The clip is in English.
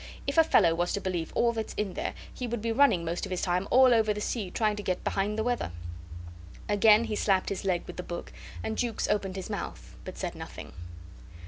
"If a fellow was to believe all that's in there, he would be running most of his time all over the sea trying to get behind the weather." Again he slapped his leg with the book; and Jukes opened his mouth, but said nothing.